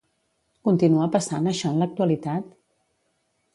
Continua passant això en l'actualitat?